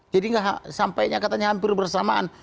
jadi nggak sampai katanya hampir bersamaan